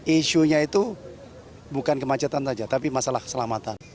isunya itu bukan kemacetan saja tapi masalah keselamatan